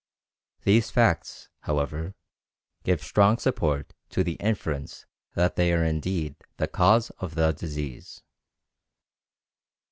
These facts, however, give strong support to the inference that they are indeed the cause of the disease.